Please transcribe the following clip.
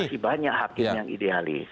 masih banyak hakim yang idealis